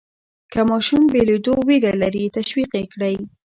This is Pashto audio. که ماشوم بېلېدو وېره لري، تشویق یې کړئ.